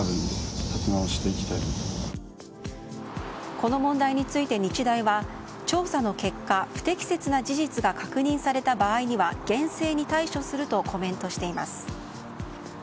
この問題について、日大は調査の結果不適切な事実が確認された場合には厳正に対処するとコメントしています。